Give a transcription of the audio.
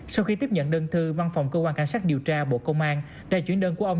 sau khi tiếp nhận đơn thư văn phòng cơ quan cảnh sát điều tra bộ công an đã chuyển đơn của ông